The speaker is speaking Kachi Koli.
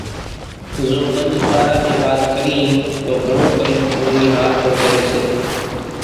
زو ٻنِي ٻار نِي وات ڪريئين تو گھڻون ڪرينَ ڪورِي هارپو ڪريَ سي۔